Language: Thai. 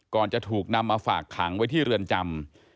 จะถูกนำมาฝากขังไว้ที่เรือนจำ